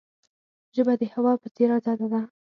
ژبه د هوا په څیر آزاده ده.